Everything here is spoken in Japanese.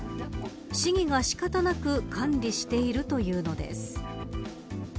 市議が仕方なく管理しているというのです。